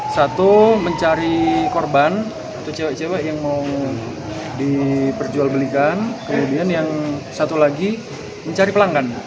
satu mencari korban atau cewek cewek yang mau diperjual belikan kemudian yang satu lagi mencari pelanggan